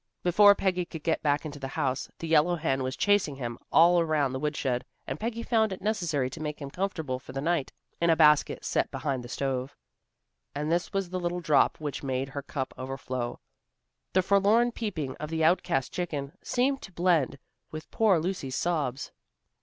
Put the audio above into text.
Before Peggy could get back into the house, the yellow hen was chasing him all around the woodshed, and Peggy found it necessary to make him comfortable for the night in a basket set behind the stove. And this was the little drop which made her cup overflow. The forlorn peeping of the outcast chicken seemed to blend with poor Lucy's sobs.